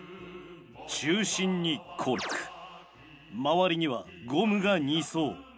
中心にコルク周りにはゴムが２層。